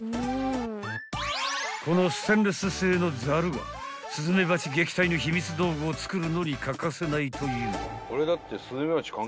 ［このステンレス製のザルがスズメバチ撃退の秘密道具を作るのに欠かせないという］